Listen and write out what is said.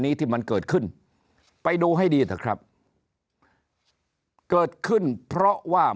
นี้ที่มันเกิดขึ้นไปดูให้ดีเถอะครับเกิดขึ้นเพราะว่า